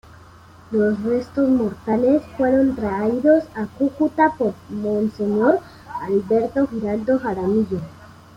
Los restos mortales fueron traídos a Cúcuta por monseñor Alberto Giraldo Jaramillo.